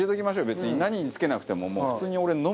別に何につけなくてももう普通に俺飲むわ。